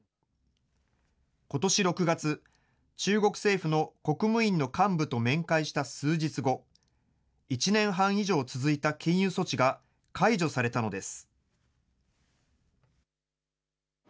ことし６月、中国政府のこくむ院の幹部と面会した数日後、１年半以上続いた禁輸措置が解除されたのです。